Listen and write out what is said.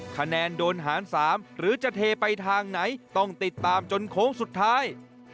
คะแนนโดนหาร๓หรือจะเทไปทางไหนต้องติดตามจนโค้งสุดท้าย